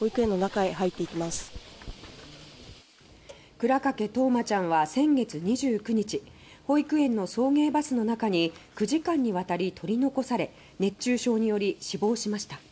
倉掛冬生ちゃんは、先月２９日保育園の送迎バスの中に９時間にわたり取り残され熱中症により死亡しました。